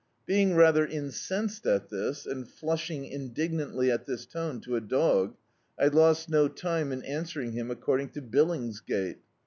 Being rather incensed at this, and flushing indignantly at this tone to a dog, I lost no time in answering him according to Billingsgate.